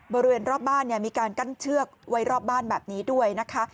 บริเวณรอบบ้านมีการกั้นเชือกไว้รอบบ้านแบบนี้ด้วยนะคะ